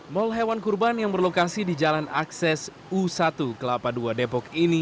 mal hewan kurban yang berlokasi di jalan akses u satu kelapa dua depok ini